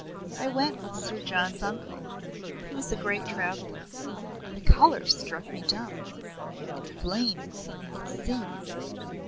"I went with Sir John's uncle. He was a great traveler. The colour struck me dumb. It flames it sings.